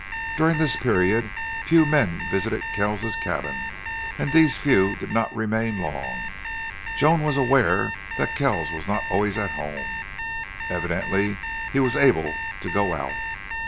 During this period few men visited Kells's cabin, and these few did not remain long. Joan was aware that Kells was not always at home. Evidently he was able to go out.